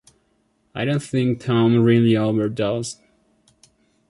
I don't think Tom really overdosed.